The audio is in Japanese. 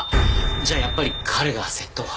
じゃあやっぱり彼が窃盗犯。